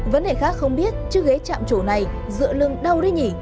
vấn đề khác không biết chứ ghế chạm chỗ này dựa lưng đâu đi nhỉ